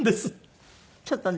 ちょっとね。